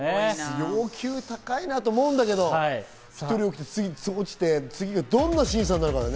要求高いなと思うんだけど、次に１人落ちて、次はどんな審査になるかだね。